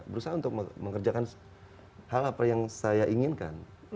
berusaha untuk mengerjakan hal apa yang saya inginkan